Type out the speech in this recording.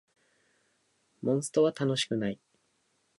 モンストは楽しくない